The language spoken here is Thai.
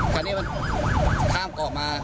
คราวนี้มันข้ามเกาะมา